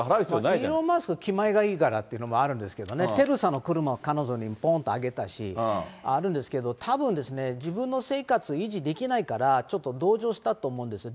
イーロン・マスク、気前がいいからっていうことあるけど、テスラの車、ぽんと彼女にあげたし、あるんですけど、たぶん、自分の生活維持できないから、ちょっと同情したと思うんですよ。